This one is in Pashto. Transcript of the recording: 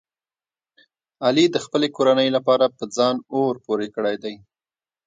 علي د خپلې کورنۍ لپاره په ځان اور پورې کړی دی.